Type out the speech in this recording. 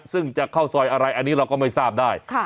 ซึ่งจะเข้าซอยอะไรอันนี้เราก็ไม่ทราบได้